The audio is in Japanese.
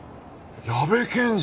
矢部検事！